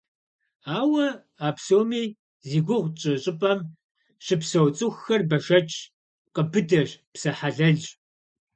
Ауэ а псоми зи гугъу тщӏы щӏыпӏэм щыпсэу цӏыхухэр бэшэчщ, пкъы быдэщ, псэ хьэлэлщ.